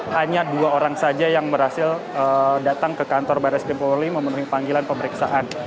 hanya dua orang saja yang berhasil datang ke kantor barat skrim polri memenuhi panggilan pemeriksaan